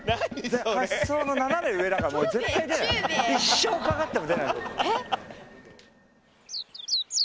発想の斜め上だから絶対出ない一生かかっても出ない。